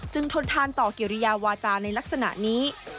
ทนทานต่อกิริยาวาจาในลักษณะนี้